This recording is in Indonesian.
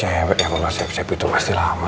heeh cewek kalau siap siap itu pasti lama